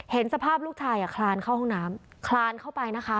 เห็นสภาพลูกชายคลานเข้าห้องน้ำคลานเข้าไปนะคะ